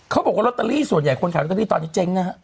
เขาบอกว่าลอตเตอรี่ส่วนใหญ่คนขายลอตเตอรี่ตอนนี้เจ๊งนะฮะ